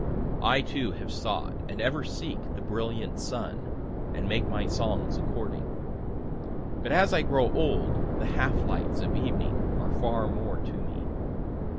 I too have sought, and ever seek, the brilliant sun, and make my songs according. But as I grow old, the half lights of evening are far more to me.